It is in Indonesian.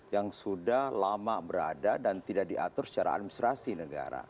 yang sudah lama berada dan tidak diatur secara administrasi negara